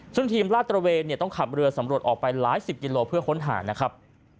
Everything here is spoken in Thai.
ซึ่งทีมลาดตระเวนเนี่ยต้องขับเรือสำรวจออกไปหลายสิบกิโลเพื่อค้นหานะครับ